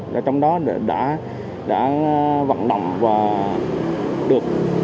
đội phân yên của ông phường đã vận động và được